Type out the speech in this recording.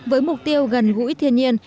với mục tiêu gần gũi thiên nhiên